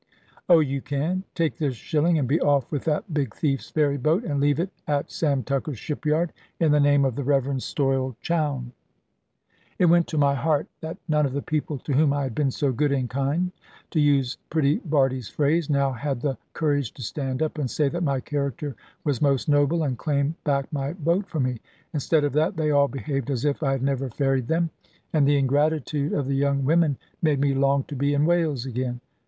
Oh, you can. Take this shilling, and be off with that big thief's ferry boat, and leave it at Sam Tucker's shipyard, in the name of the Reverend Stoyle Chowne." It went to my heart that none of the people to whom I had been so "good and kind" to use pretty Bardie's phrase now had the courage to stand up, and say that my character was most noble, and claim back my boat for me. Instead of that, they all behaved as if I had never ferried them; and the ingratitude of the young women made me long to be in Wales again.